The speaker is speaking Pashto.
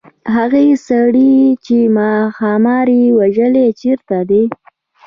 هغه سړی چې ښامار یې وژلی چيرته دی.